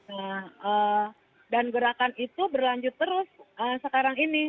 nah dan gerakan itu berlanjut terus sekarang ini